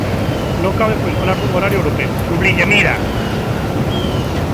Non cabe pois falar dun horario europeo, subliña Mira.